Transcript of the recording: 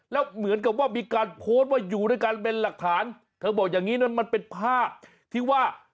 แล้วเหมือนกับว่ามีการโพสต์ว่าอยู่ด้วยกันเป็นหลักฐานเธอบอกอย่างงี้นั้นมันเป็นภาพที่ว่า